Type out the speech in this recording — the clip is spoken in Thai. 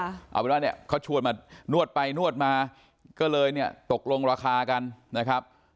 เอาเป็นว่าเนี่ยเขาชวนมานวดไปนวดมาก็เลยเนี่ยตกลงราคากันนะครับ